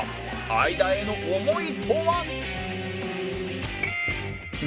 相田への思いとは？